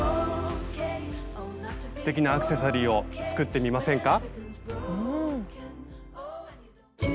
すてきなアクセサリーを作ってみませんか？